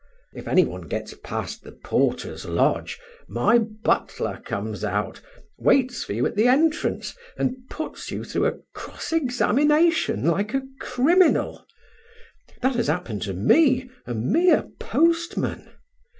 If any one gets past the porter's lodge, my butler comes out, waits for you at the entrance, and puts you through a cross examination like a criminal. That has happened to me, a mere postman.